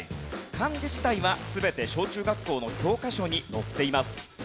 漢字自体は全て小中学校の教科書に載っています。